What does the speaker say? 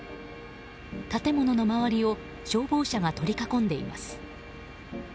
建物の周りを消防車が取り囲んでいます。